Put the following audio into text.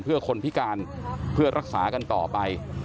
เพื่อคนพิการเพื่อรักษากันต่อไป